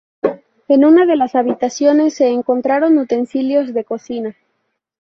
En una de las habitaciones se encontraron utensilios de cocina.